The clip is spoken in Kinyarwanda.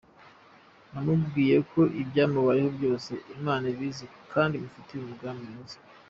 Namubwiye ko ibyamubayeho byose Imana ibizi kandi imufiteho umugambi mwiza.